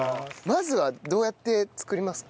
まずはどうやって作りますか？